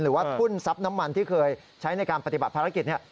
หรือว่าพุ่นซับน้ำมันที่เคยใช้ในการปฏิบัติภารกิจเนี่ย